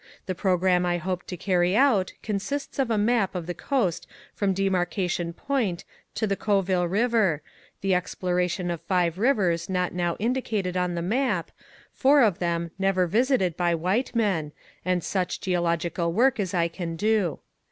The program I hope to carry out consists of a map of the coast from Demarcation Point to the Coville River, the exploration of fii^e rivers not now indicated on the map, four of them never visited by white men, and such geological work as I can do.